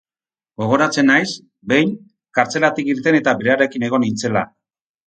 Gogoratzen naiz, behin, kartzelatik irten eta berarekin egon nintzela.